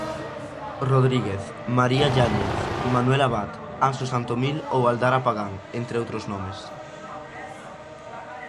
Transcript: Rodríguez, María Yáñez, Manuel Abad, Anxo Santomil ou Aldara Pagán, entre outros nomes.